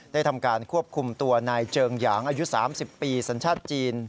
ทำการควบคุมตัวนายเจิงหยางอายุ๓๐ปีสัญชาติจีน